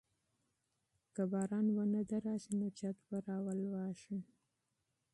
که باران ونه دريږي نو چت به راولوېږي.